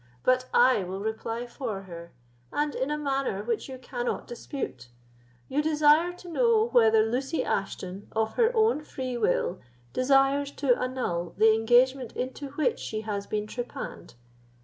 But I will reply for her, and in a manner which you cannot dispute. You desire to know whether Lucy Ashton, of her own free will, desires to annul the engagement into which she has been trepanned.